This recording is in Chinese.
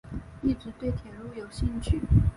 一直对铁路有兴趣。